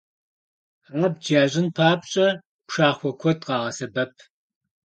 Абдж ящӀын папщӀэ, пшахъуэ куэд къагъэсэбэп.